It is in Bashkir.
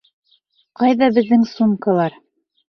Ҡайҙа беҙҙең сумкалар?